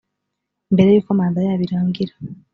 mbere y’uko manda yabo irangira